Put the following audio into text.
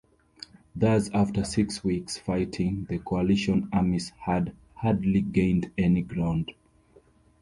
Thus after six weeks fighting the Coalition armies had hardly gained any ground.